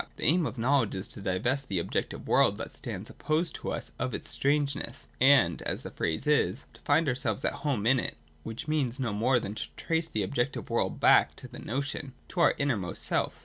The aim of knowledge is to divest the objective world that stands opposed to us of its strangeness, and, as the phrase is, to find ourselves at home in it : which means no more than to trace the objective world back to the notion, — to our innermost self.